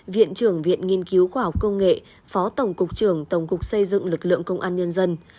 viện trưởng viện nghiên cứu khoa học công nghệ phó tổng cục trưởng tổng cục xây dựng lực lượng công an nhân dân